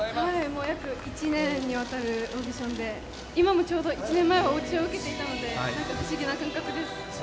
約１年にわたるオーディションでちょうど１年前にオーディションを受けていたので何か不思議な感覚です。